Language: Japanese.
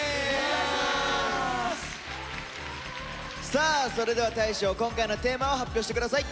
さあそれでは大昇今回のテーマを発表して下さい。